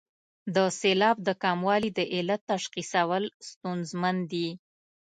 د سېلاب د کموالي د علت تشخیصول ستونزمن دي.